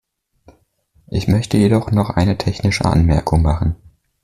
Ich möchte jedoch noch eine technische Anmerkung machen.